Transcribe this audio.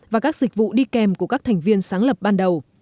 và các dịch vụ đi kèm của các thành viên sáng lập ban đầu